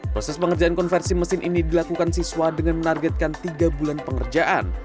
proses pengerjaan konversi mesin ini dilakukan siswa dengan menargetkan tiga bulan pengerjaan